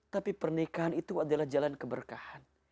tapi pernikahan itu adalah jalan keberkahan